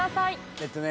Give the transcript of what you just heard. えっとね